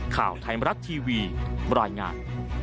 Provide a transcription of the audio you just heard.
ข่าวไทยมรัฐทีวีบรรยายงาน